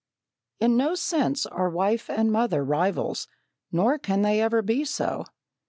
In no sense are wife and mother rivals, nor can they ever be so.